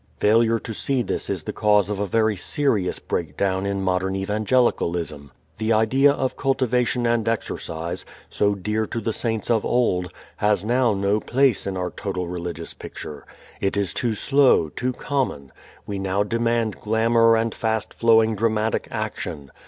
Failure to see this is the cause of a very serious breakdown in modern evangelicalism. The idea of cultivation and exercise, so dear to the saints of old, has now no place in our total religious picture. It is too slow, too common. We now demand glamour and fast flowing dramatic action.